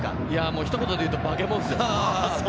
ひと言でいうと化け物ですよ。